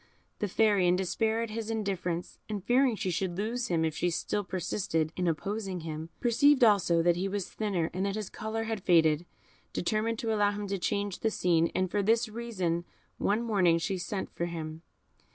The Fairy, in despair at his indifference, and fearing she should lose him if she still persisted in opposing him, perceiving also that he was thinner, and that his colour had faded, determined to allow him to change the scene, and for this reason one morning she sent for him.